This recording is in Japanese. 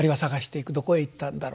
どこへいったんだろうという。